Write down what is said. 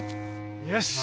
よし。